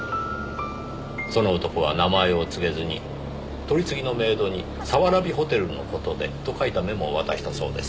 その男は名前を告げずに取り次ぎのメードに「早蕨ホテルの事で」と書いたメモを渡したそうです。